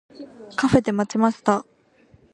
カフェで待ちました。